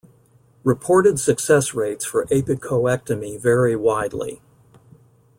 Reported success rates for apicoectomy vary widely.